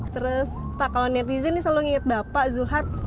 terus pak kalau netizen ini selalu nginget bapak zulhad